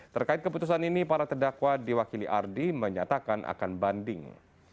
terkait keputusan ini para terdakwa diwakili ardi menyatakan akan banding